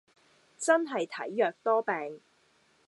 真係體弱多病